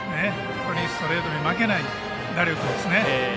ストレートに負けない打力ですね。